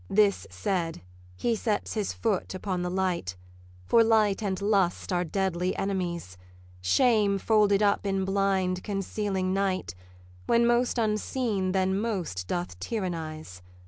This said, he sets his foot upon the light, For light and lust are deadly enemies: Shame folded up in blind concealing night, When most unseen, then most doth tyrannize.